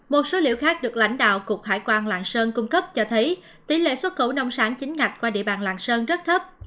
một số liệu khác được lãnh đạo cục hải quan lạng sơn cung cấp cho thấy tỷ lệ xuất khẩu nông sản chính ngạch qua địa bàn lạng sơn rất thấp